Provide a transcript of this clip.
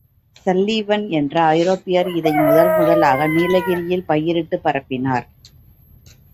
Sullivan என்ற ஐரோப்பியர் இதை முதன் முதலாக நீலகிரியில் பயிரிட்டுப் பரப்பினார்.